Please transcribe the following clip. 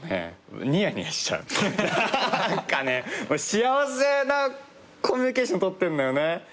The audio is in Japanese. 幸せなコミュニケーション取ってんのよね。